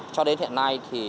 cho đến hiện nay thì